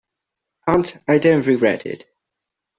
And I don't regret it.